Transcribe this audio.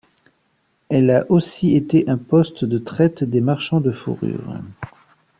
Elle a aussi été un poste de traite des marchands de fourrures.